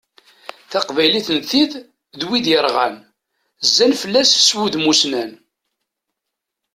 Taqbaylit n tid d wid irɣan, zzan fell-as s wudem usnan.